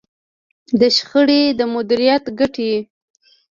د شخړې د مديريت ګټې.